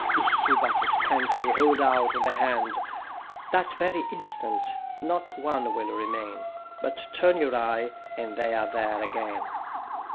If you but scantily hold out the hand, That very instant not one will remain; But turn your eye, and they are there again.